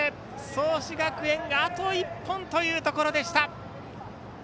創志学園があと一本というところでした。